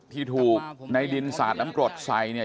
ที่ถูกในดินสาดน้ำกรดใส่เนี่ย